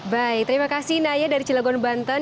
baik terima kasih naya dari cilegon banten